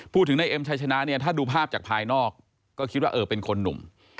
พูดถึงในเอ็มชัยชนะเนี่ยถ้าดูภาพจากภายนอกก็คิดว่าเออเป็นคนหนุ่ม